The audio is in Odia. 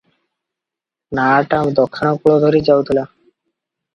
ନାଆଟା ଦକ୍ଷିଣ କୂଳ ଧରି ଯାଉଥିଲା ।